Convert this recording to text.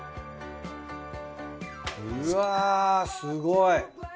うわぁすごい。